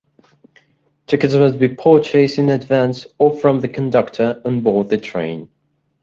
Tickets must be purchased in advance or from the conductor on board the train.